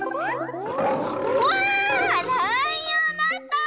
わあライオンだった！